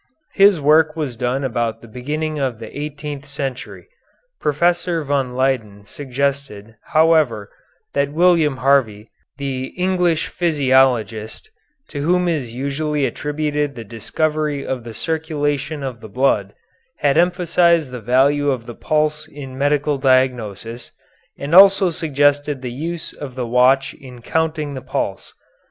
His work was done about the beginning of the eighteenth century. Professor von Leyden suggested, however, that William Harvey, the English physiologist, to whom is usually attributed the discovery of the circulation of the blood, had emphasized the value of the pulse in medical diagnosis, and also suggested the use of the watch in counting the pulse.